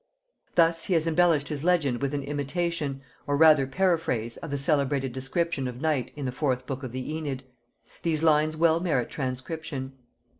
Thus he has embellished his legend with an imitation or rather paraphrase of the celebrated description of night in the fourth book of the Æneid. The lines well merit transcription.